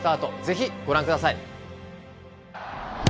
ぜひご覧ください！